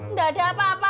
gak ada apa apa